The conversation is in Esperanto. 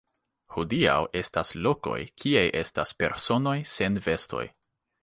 Hodiaŭ estas lokoj kie estas personoj sen vestoj.